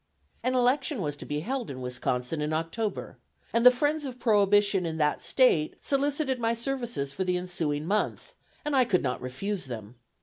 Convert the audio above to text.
An election was to be held in Wisconsin in October, and the friends of prohibition in that State solicited my services for the ensuing month, and I could not refuse them.